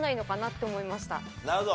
なるほど。